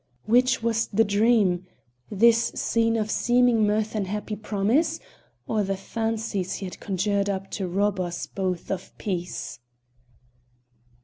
Which was the dream? This scene of seeming mirth and happy promise, or the fancies he had conjured up to rob us both of peace?